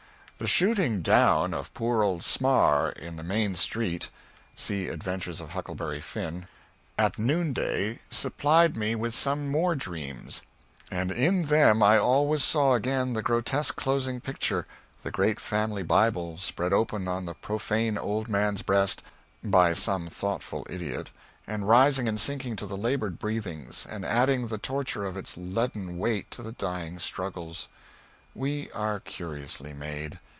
The shooting down of poor old Smarr in the main street at noonday supplied me with some more dreams; and in them I always saw again the grotesque closing picture the great family Bible spread open on the profane old man's breast by some thoughtful idiot, and rising and sinking to the labored breathings, and adding the torture of its leaden weight to the dying struggles. We are curiously made.